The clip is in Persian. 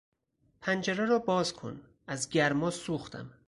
پنجره را باز کن; از گرما سوختم!